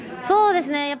そうですね。